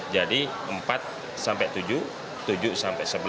jadi empat sampai tujuh tujuh sampai sebelas